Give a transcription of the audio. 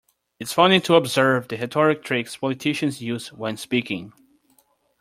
It's funny to observe the rhetoric tricks politicians use when speaking.